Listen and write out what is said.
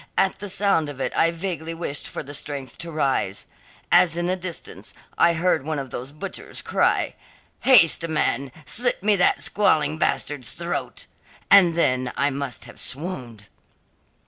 At the sound of it I vaguely wished for the strength to rise. As in the distance, I heard one of those butchers cry, "Haste, man; slit me that squalling bastard's throat!" And then I must have swooned."